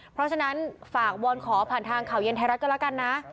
เพราะฉะนั้นฝากวอนขอผ่านทางข่าวเย็นไทยรัฐก็แล้วกันนะ